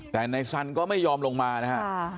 แต่ในสรรค์ก็ไม่ยอมลงมานะครับ